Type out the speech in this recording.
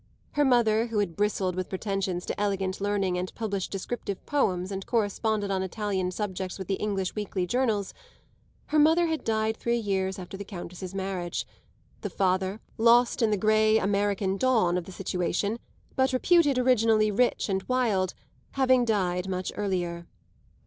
Her mother, who had bristled with pretensions to elegant learning and published descriptive poems and corresponded on Italian subjects with the English weekly journals, her mother had died three years after the Countess's marriage, the father, lost in the grey American dawn of the situation, but reputed originally rich and wild, having died much earlier.